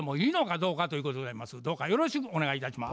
どうかよろしくお願いいたします。